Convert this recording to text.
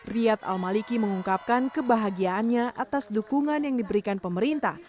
riyad al maliki mengungkapkan kebahagiaannya atas dukungan yang diberikan pemerintah